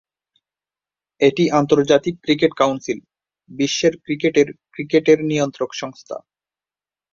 এটি আন্তর্জাতিক cricket council, বিশ্বের ক্রিকেটের ক্রিকেটের নিয়ন্ত্রক সংস্থা।